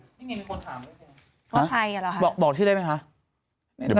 มีคนถามอีกแล้วว่าใครหรือเหรอคะโอ้บอกชื่อได้ไหมคะ